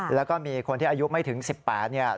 แล้วก็มีคนที่อายุไม่ถึง๑๘เนี่ย